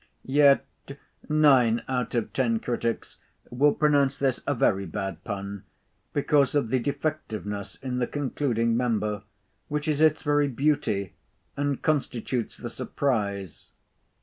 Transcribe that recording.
Yet nine out of ten critics will pronounce this a very bad pun, because of the defectiveness in the concluding member, which is its very beauty, and constitutes the surprise.